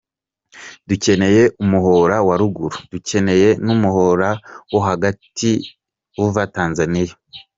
Dukeneye umuhora wa Ruguru, dukeneye n’umuhora wo hagati uva Tanzania.